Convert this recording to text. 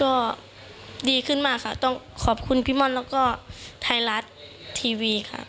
ก็ดีขึ้นมากค่ะต้องขอบคุณพี่ม่อนแล้วก็ไทยรัฐทีวีค่ะ